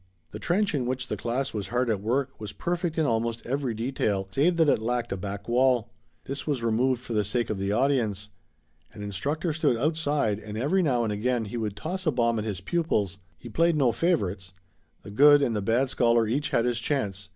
The trench in which the class was hard at work was perfect in almost every detail, save that it lacked a back wall. This was removed for the sake of the audience. An instructor stood outside and every now and again he would toss a bomb at his pupils. He played no favorites. The good and the bad scholar each had his chance.